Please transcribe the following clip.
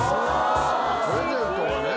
プレゼントがね！